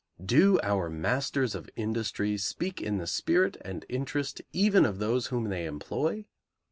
Do our masters of industry speak in the spirit and interest even of those whom they employ?